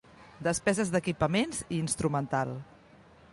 Despeses d'equipaments i instrumental.